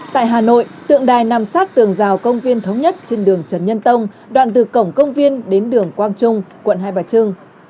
tại hà nội tượng đài nằm sát tường rào công viên thống nhất trên đường trần nhân tông đoạn từ cổng công viên đến đường quang trung quận hai bà trưng